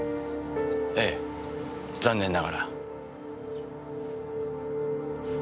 ええ残念ながら。